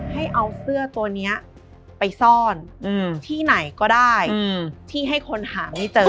ให้เอาเสื้อตัวนี้ไปซ่อนที่ไหนก็ได้ที่ให้คนหาไม่เจอ